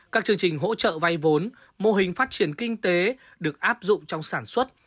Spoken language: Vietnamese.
các chương trình hỗ trợ vay vốn mô hình phát triển kinh tế được áp dụng trong sản xuất